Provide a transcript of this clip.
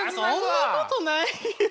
そんなことないよ。